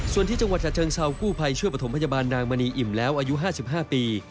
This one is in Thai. ส่วนที่จังหวัดฉะเชิงเซากู้ภัยช่วยประถมพยาบาลนางมณีอิ่มแล้วอายุ๕๕ปี